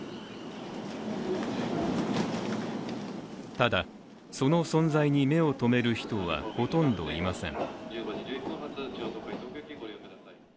ただ、その存在に目をとめる人はほとんどいません。